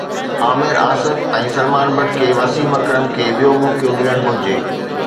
عامر آصف ۽ سلمان بٽ کي وسيم اڪرم کي ٻيو موقعو ملڻ گهرجي